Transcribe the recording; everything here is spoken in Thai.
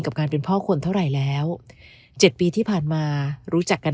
กับการเป็นพ่อคนเท่าไหร่แล้ว๗ปีที่ผ่านมารู้จักกัน